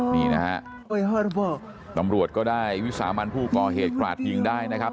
นี่นะฮะตำรวจก็ได้วิสามันผู้ก่อเหตุกราดยิงได้นะครับ